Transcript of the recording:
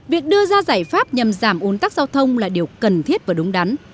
việc đưa ra giải pháp nhằm giảm uốn tắc giao thông là điều cần thiết và đúng đắn